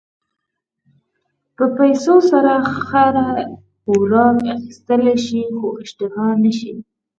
په پیسو سره خوراک اخيستلی شې خو اشتها نه شې.